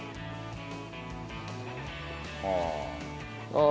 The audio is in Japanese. ああ。